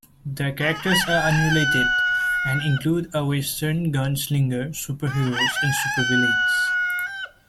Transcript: The characters are unrelated and include a western gunslinger, superheroes, and supervillains.